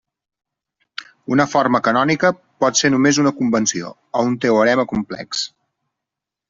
Una forma canònica pot ser només una convenció, o un teorema complex.